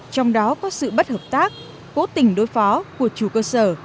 trong đó có sự bất hợp tác cố tình đối phó của chủ cơ sở